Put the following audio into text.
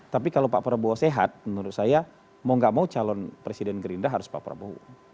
tapi kalau pak prabowo sehat menurut saya mau gak mau calon presiden gerindra harus pak prabowo